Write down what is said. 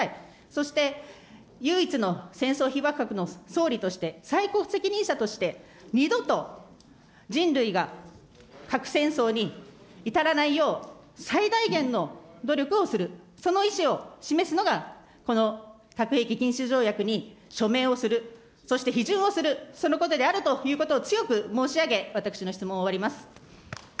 そして唯一の戦争被爆国の総理として、最高責任者として、二度と人類が核戦争に至らないよう、最大限の努力をする、その意思を示すのがこの核兵器禁止条約に署名をする、そして批准をする、そのことであるということを強く申し上げ、私の質問を終わります。